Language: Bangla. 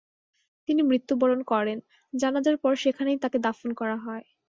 তিনি মৃত্যুবরণ করেন, জানাজার পর সেখানেই তাকে দাফন করা হয়।